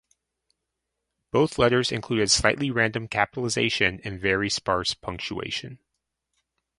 Both letters included slightly random capitalisation and very sparse punctuation.